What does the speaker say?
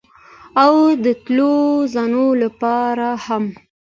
او د تللو زاڼو لپاره هم